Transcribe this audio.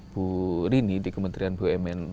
bu rini di kementerian bumn